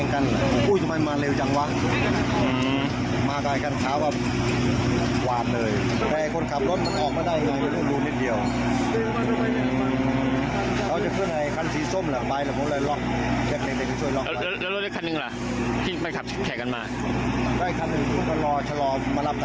กำรวจนำตัวคนขับไปโรงพยาบาล